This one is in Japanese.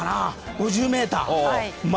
５０ｍで。